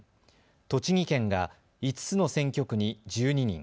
栃木県が５つの選挙区に１２人。